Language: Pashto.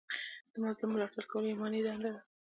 د مظلوم ملاتړ کول ایماني دنده ده.